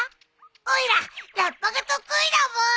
おいらラッパが得意だブー！